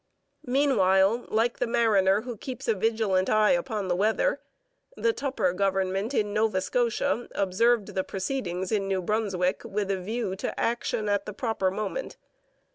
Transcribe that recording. Meanwhile, like the mariner who keeps a vigilant eye upon the weather, the Tupper government in Nova Scotia observed the proceedings in New Brunswick with a view to action at the proper moment.